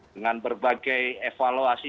dengan berbagai evaluasi